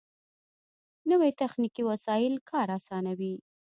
نوې تخنیکي وسایل کار آسانوي